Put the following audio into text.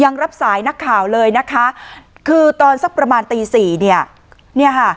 รับสายนักข่าวเลยนะคะคือตอนสักประมาณตีสี่เนี่ยเนี่ยค่ะ